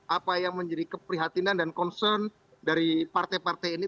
apa yang menjadi keprihatinan dan concern dari partai partai ini